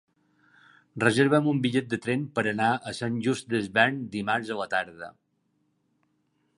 Reserva'm un bitllet de tren per anar a Sant Just Desvern dimarts a la tarda.